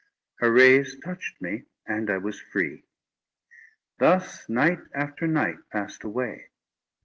Her rays touched me, and I was free. Thus night after night passed away.